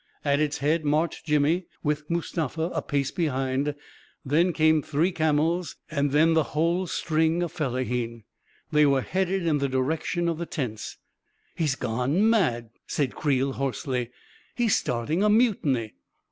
At its head marched Jimmy, with Mustafa a pace behind ; then came three camels, and then the whole String of fellahin ... They were headed in the direction of the tents •.•" He's gpne mad I " said Creel, hoarsely. " He's starting a mutiny!